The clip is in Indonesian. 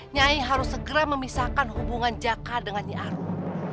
nyai harus segera memisahkan hubungan jaka dengan nyi arum